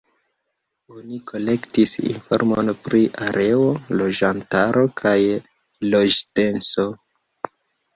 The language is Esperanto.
Oni kolektis informon pri areo, loĝantaro kaj loĝdenso.